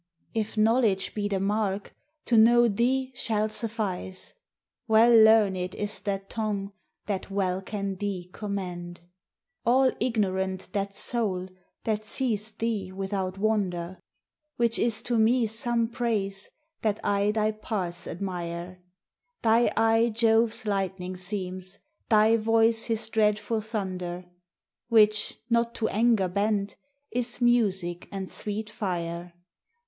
If knowledge be the mark, to know thee shall suffice; Well learned is that tongue that well can thee commend; All ignorant that soul that sees thee without wonder; Which is to me some praise, that I thy parts admire: Thy eye Jove's lightning seems, thy voice his dreadful thunder, Which, not to anger bent, is music and sweet fire.